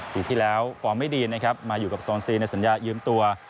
ปีที่แล้วฟอร์มไม่ดีนะครับมาอยู่กับโซนซีในสัญญายืมตัว